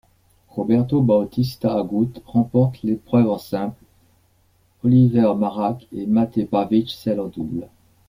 Roberto Bautista-Agut remporte l'épreuve en simple, Oliver Marach et Mate Pavić celle en double.